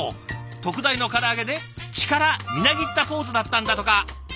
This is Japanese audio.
特大のから揚げで力みなぎったポーズだったんだとか。